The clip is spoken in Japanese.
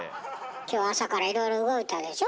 今日朝からいろいろ動いたでしょ？